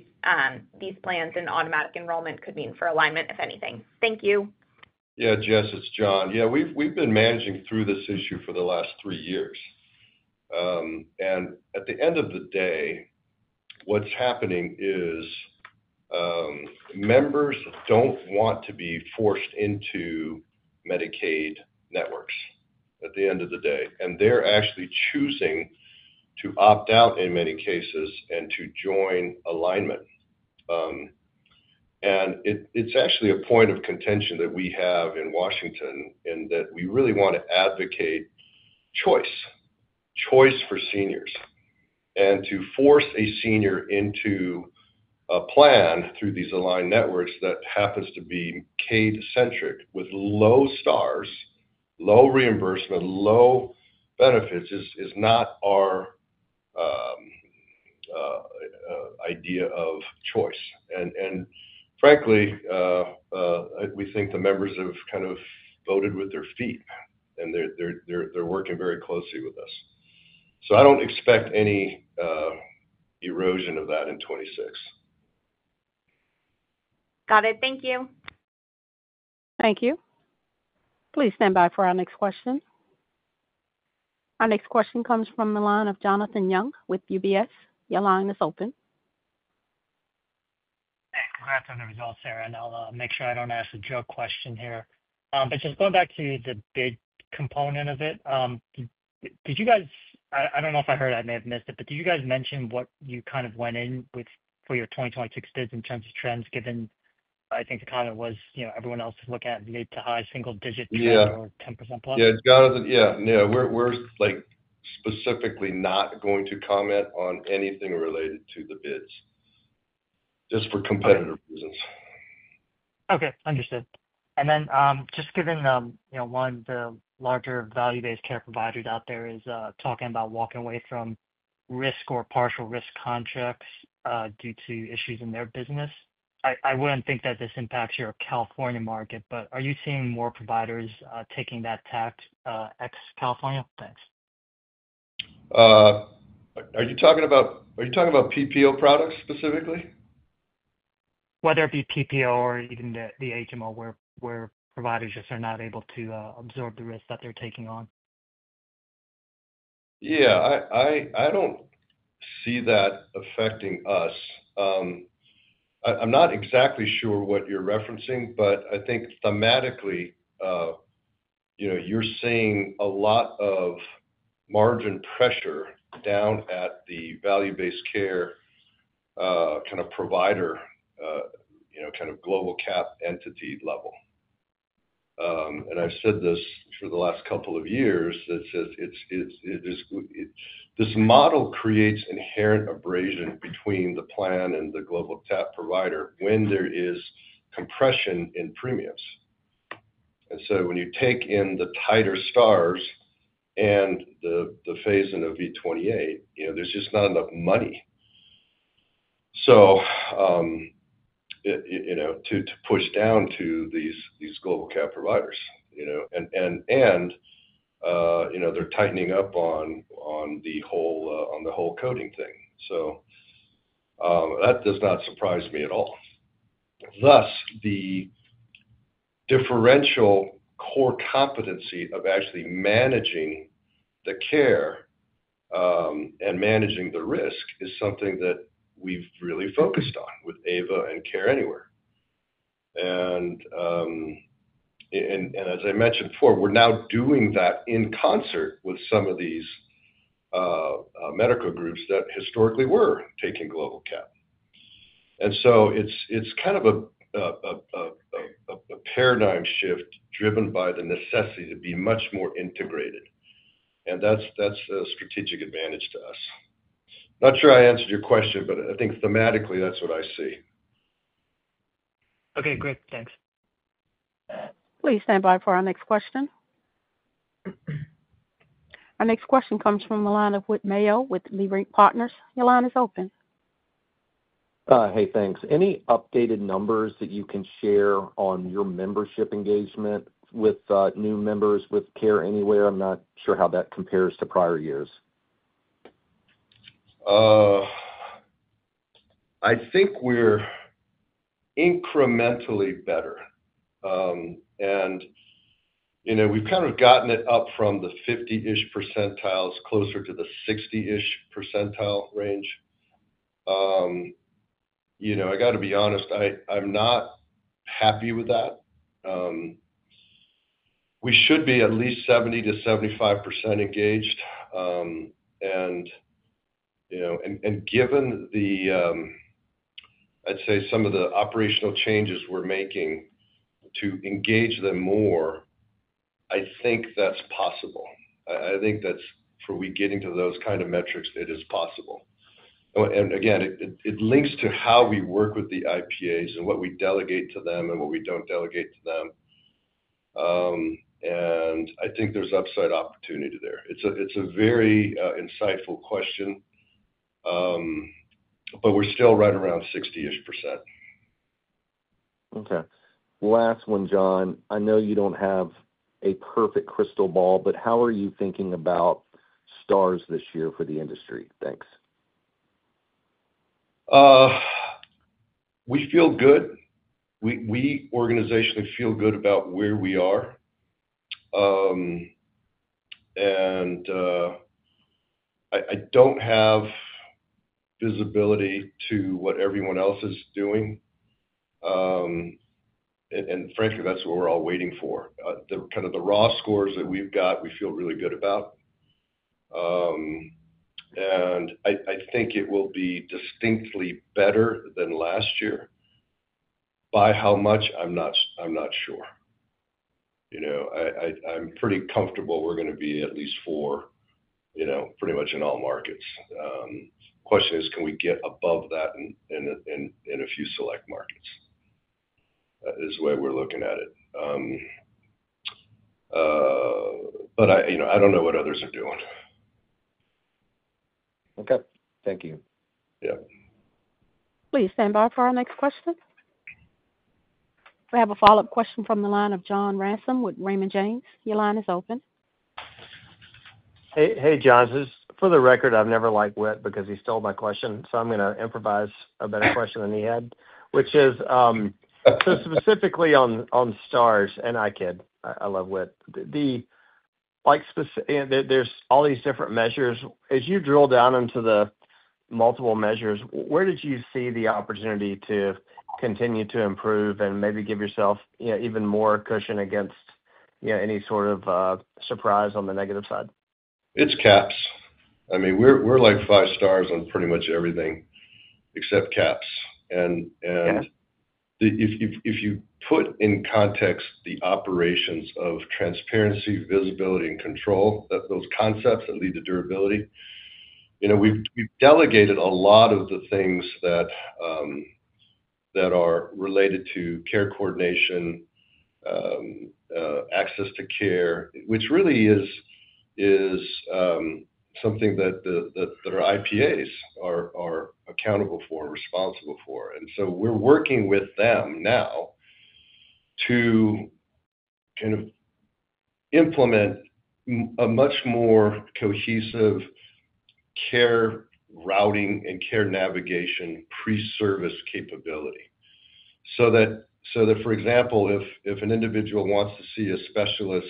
K: plans and automatic enrollment could mean for Alignment Healthcare, if anything. Thank you.
B: Yeah, Jess, it's John. We've been managing through this issue for the last three years. At the end of the day, what's happening is members don't want to be forced into Medicaid networks. They're actually choosing to opt out in many cases and to join Alignment. It's actually a point of contention that we have in Washington in that we really want to advocate choice, choice for seniors. To force a senior into a plan through these aligned networks that happens to be caid centric with low stars, low reimbursement, low benefits is not our idea of choice. Frankly, we think the members have kind of voted with their feet and they're working very closely with us, so I don't expect any erosion of that in 2026.
K: Got it. Thank you.
A: Please stand by for our next question. Our next question comes from the line of Jonathan Young with UBS. Your line is open.
L: Congrats on the results there. I'll make sure I don't ask a joke question here, but just going back to the bid component of it, did you guys, I don't know if I heard, I may have missed it, but did you guys mention what you kind of went in with for your 2026 bids in terms of trends given? I think the comment was, you know, everyone else is looking at mid to high single digit or 10% +.
B: Yeah, got it. Yeah, we're specifically not going to comment on anything related to the bids just for competitive reasons.
L: Okay, understood. Given, you know, one of the larger value-based care providers out there is talking about walking away from risk or partial risk contracts due to issues in their business. I wouldn't think that this impacts your California market, but are you seeing more providers taking that tack outside California? Thanks.
B: Are you talking about PPO products specifically?
L: Whether it be PPO or even the HMO where providers just are not able to absorb the risk that they're taking on?
B: Yeah, I don't see that affecting us. I'm not exactly sure what you're referencing, but I think thematically, you're seeing a lot of margin pressure down at the value-based care kind of provider, kind of global cap entity level. I said this for the last couple of years, this model creates inherent abrasion between the plan and the global cap provider when there is compression in premiums. When you take in the tighter stars and the phase-in of V28, there's just not enough money. To. Push down to these global cap providers and they're tightening up on the whole coding thing. That does not surprise me at all. Thus, the differential core competency of actually managing the care and managing the risk is something that we've really focused on with AVA and care anywhere. As I mentioned before, we're now doing that in concert with some of these medical groups that historically were taking global cap. It's kind of a paradigm shift driven by the necessity to be much more integrated, and that's a strategic advantage to us. Not sure I answered your question, but I think thematically that's what I see.
C: Okay, great, thanks.
A: Please stand by for our next question. Our next question comes from the line of Whitmail with Lyric Partners. Your line is open. Hey, thanks. Any updated numbers that you can share? On your membership engagement with new members, with care anywhere? I'm not sure how that compares to prior years.
B: I think we're incrementally better, and we've kind of gotten it up from the 50% range closer to the 60% range. I got to be honest, I'm not happy with that. We should be at least 70% to 75% engaged. Given the, I'd say, some of the operational changes we're making to engage them more, I think that's possible. I think that's for we getting to those kind of metrics. It is possible. It links to how we work with the IPAs and what we delegate to them and what we don't delegate to them. I think there's upside opportunity there. It's a very insightful question, but we're still right around 60%. Okay, last one. John, I know you don't have a perfect crystal ball, but how are you thinking about stars this year for the industry? Thanks. We feel good. We organizationally feel good about where we are, and I don't have visibility to what everyone else is doing. Frankly, that's what we're all waiting for. Kind of the raw scores that we've got, we feel really good about. I think it will be distinctly better than last year. By how much? I'm not sure. I'm pretty comfortable we're going to be at least four, pretty much in all markets. The question is, can we get above that in a few select markets is the way we're looking at it. I don't know what others are doing. Okay, thank you. Yeah.
A: Please stand by for our next question. We have a follow-up question from the line of John Ransom with Raymond James. Your line is open.
F: Hey John, for the record, I've never. Liked Whit because he stole my question. I'm going to improvise a better question than he had, which is specifically on stars. I kid, I love wit, there's all these different measures. As you drill down into the multiple. Measures, where did you see the opportunity to continue to improve and maybe give yourself even more cushion against any sort of surprise? On the negative side, it's CAPS.
B: I mean, we're like five stars on pretty much everything except CAPS. If you put in context the operations of transparency, visibility, and control, those concepts lead to durability. We've delegated a lot of the things that are related to care coordination and access to care, which really is something that our IPAs are accountable for and responsible for. We're working with them now to implement a much more cohesive care routing and care navigation, pre-service capability. For example, if an individual wants to see a specialist,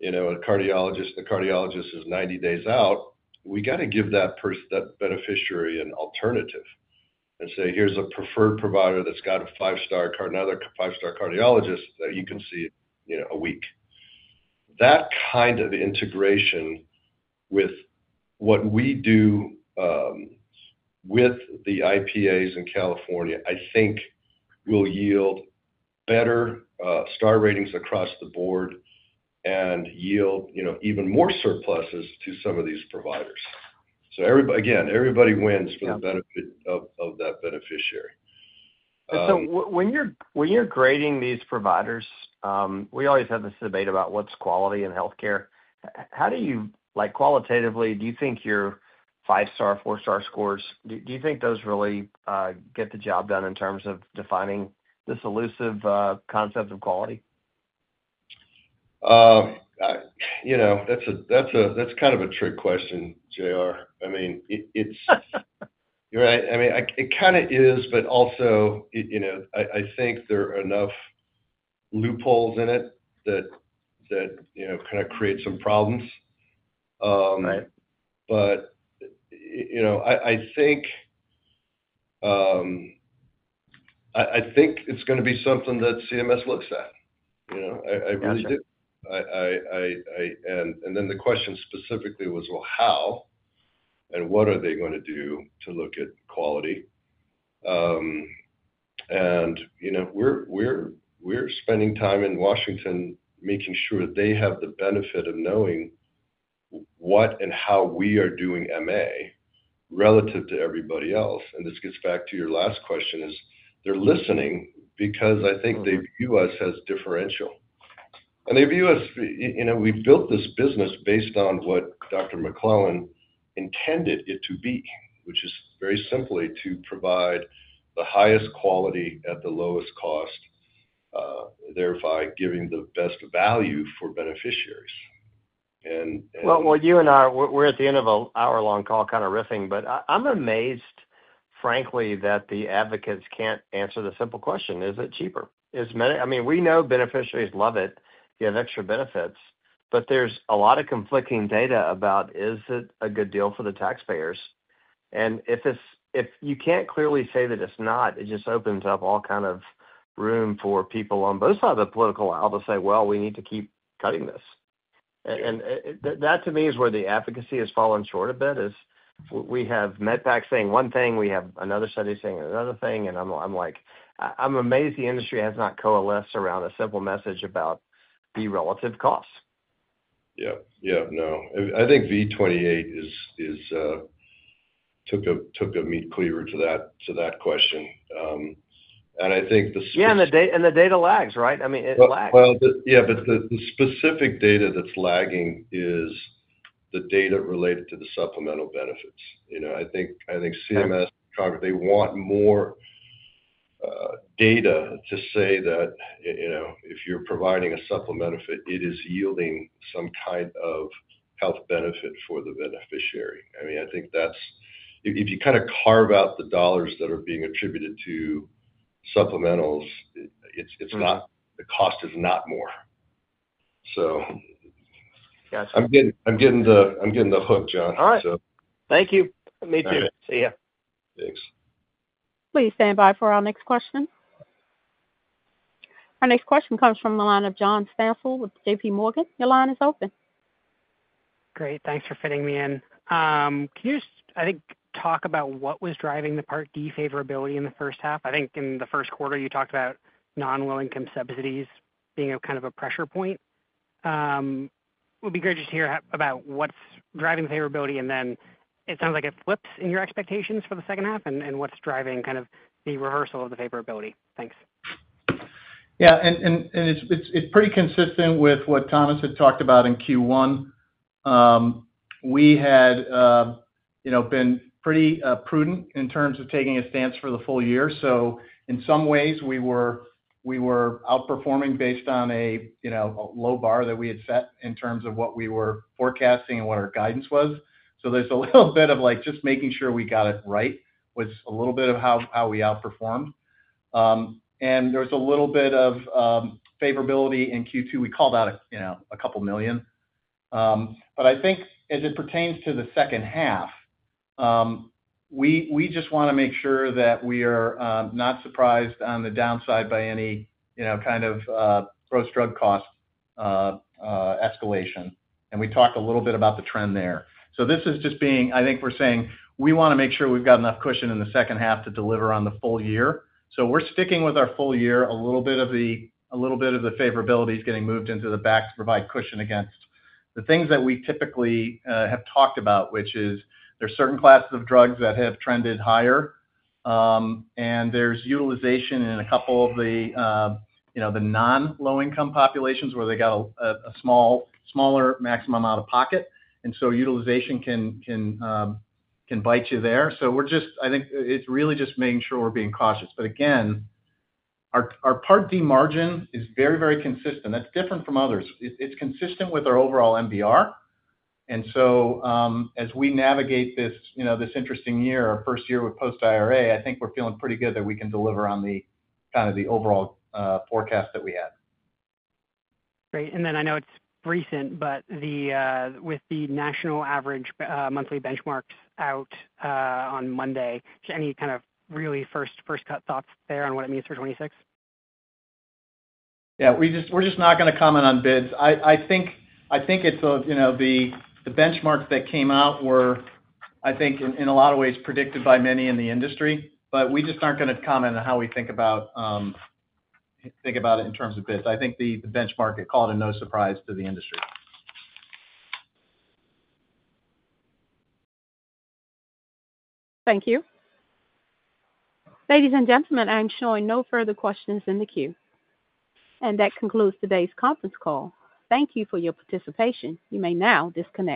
B: the cardiologist is 90 days out. We have to give that beneficiary an alternative and say, here's a preferred provider that's got a five star card, now they're a five star cardiologist that you can see in a week. That kind of integration with what we do with the IPAs in California, I think, will yield better star ratings across the board and yield even more surpluses to some of these providers. Everybody wins for the benefit of that beneficiary.
F: When you're grading these providers, we always have this debate about what's quality in healthcare. How do you, like, qualitatively, do you think your five star, four star scores, do you think those really get the job done in terms of defining this? Elusive concept of quality?
B: You know, that's kind of a trick question, J.R. I mean, it's. You're right. I mean, it kind of is. I think there are enough loopholes in it that create some problems. I think it's going to be something that CMS looks at, I really do. The question specifically was, how and what are they going to do to look at quality? We're spending time in Washington making sure they have the benefit of knowing what and how we are doing Medicare Advantage relative to everybody else. This gets back to your last question. They're listening because I think they view us as differential and they view us, you know, we built this business based on what Dr. McClelland intended it to be, which is very simply to provide the highest quality at the lowest cost, thereby giving the best value for beneficiaries.
F: You and I, we're at the end of an hour long call kind of riffing, but I'm amazed frankly that. The advocates can't answer the simple question, is it cheaper? I mean, we know beneficiaries love it. You have extra benefits, but there's a. Lot of conflicting data about it. A good deal for the taxpayers. If you can't clearly say that it's not, it just opens up all. Kind of room for people on both. Sides of the political aisle to say, we need to keep cutting this. That to me is where the advocacy has fallen short a bit as we have MEDPAC saying one thing, we have another study saying another thing. I'm amazed the industry has not coalesced around a simple message. About the relative costs.
B: Yeah, yeah. No, I think V28 took a meat cleaver to that question. I think the date and the data lags, right? I mean, it lags, yeah. The specific data that's lagging is the data related to the supplemental benefits. I think CMS, they want more data to say that, you know, if you're providing a supplemental fit, it is yielding some kind of health benefit for the beneficiary. I think that's if you kind of carve out the dollars that are being attributed to supplementals, it's not. The cost is not more. I'm getting the hook. John, thank you.
F: Me too. See ya.
B: Thanks.
A: Please stand by for our next question. Our next question comes from the line of John Stanfeld with J.P. Morgan. Your line is open.
M: Great. Thanks for fitting me in. Can you speak, I think, about what was driving the Part D favorability in the first half? I think in the first quarter you talked about non-low income subsidies being a kind of a pressure point. It would be great just to hear about what's driving the favorability. It sounds like it flips. In your expectations for the second half, what's driving the rehearsal of the favorability? Thanks.
C: Yeah. It's pretty consistent with what Thomas had talked about in Q1. We had been pretty prudent in terms of taking a stance for the full year. In some ways we were outperforming based on a low bar that we had set in terms of what we were forecasting and what our guidance was. There's a little bit of just making sure we got it right, was a little bit of how we outperformed, and there was a little bit of favorability. In Q2 we called out, you know, a couple million. I think as it pertains to the second half, we just want to make sure that we are not surprised on the downside by any, you know, kind of gross drug cost escalation. We talk a little bit about the trend there. This is just being, I think we're saying we want to make sure we've got enough cushion in the second half to deliver on the full year. We're sticking with our full year. A little bit of the favorability is getting moved into the back to provide cushion against the things that we typically have talked about, which is there are certain classes of drugs that have trended higher and there's utilization in a couple of the, you know, the non low income populations where they got a smaller maximum out of pocket. Utilization can bite you there. I think it's really just making sure we're being cautious. Again, our Part D margin is very, very consistent. That's different from others. It's consistent with our overall MBR. As we navigate this interesting year, our first year with post IRA, I think we're feeling pretty good that we can deliver on the kind of the overall forecast that we had.
M: Great. I know it's recent, but with the national average monthly benchmarks out. On Monday, any kind of really first cut thoughts there on what it means for 2026?
B: Yeah, we're just not going to comment on bids. I think it's the benchmarks that came out were, I think, in a lot of ways predicted by many in the industry. We're just not going to comment on how we think about it in terms of bids. I think the benchmark, it called a no surprise to the industry.
A: Thank you, ladies and gentlemen. I'm showing no further questions in the queue. That concludes today's conference call. Thank you for your participation. You may now disconnect.